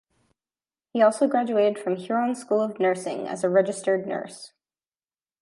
He also graduated from Huron School of Nursing as a registered nurse.